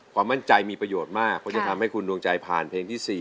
ความมั่นใจมีประโยชน์มากเพราะจะทำให้คุณดวงใจผ่านเพลงที่๔